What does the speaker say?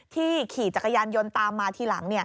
ขี่จักรยานยนต์ตามมาทีหลัง